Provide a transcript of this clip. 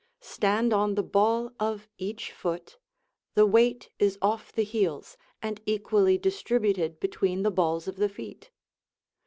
Stand on the ball of each foot; the weight is off the heels, and equally distributed between the balls of the feet.